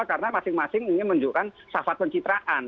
karena masing masing ingin menunjukkan sahabat pencitraan